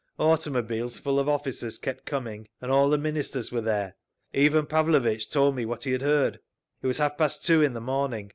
Automobiles full of officers kept coming, and all the Ministers were there. Ivan Pavlovitch told me what he had heard. It was half past two in the morning.